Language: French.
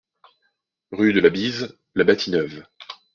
Rue de la Bise, La Bâtie-Neuve